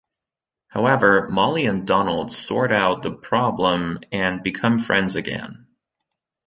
However, Molly and Donald sort out the problem and become friends again.